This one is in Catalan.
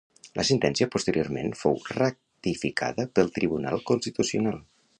La sentència posteriorment fou ratificada pel Tribunal Constitucional.